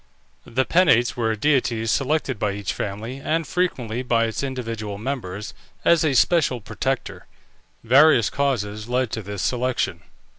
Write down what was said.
The Penates were deities selected by each family, and frequently by its individual members, as a special protector. Various causes led to this selection.